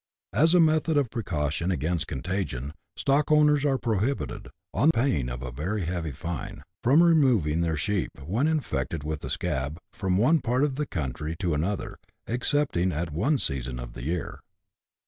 As a method of precaution against contagion, stockowners are prohibited, on pain of a heavy fine, from removing their sheep, when affected with the scab, from one part of the country to another, excepting at one season of the year.